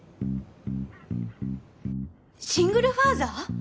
シングルファーザー！？